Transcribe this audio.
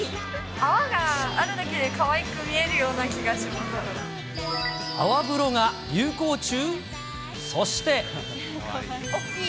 泡があるだけで、かわいく見泡風呂が流行中？